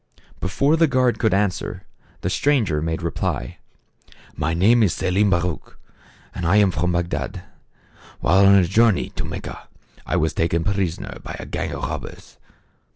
Before the guard could answer, the stranger made reply :" My name is Selim Baruch, and I am from Bagdad. While on a journey to Mecca, I was taken prisoner by a gang of robbers.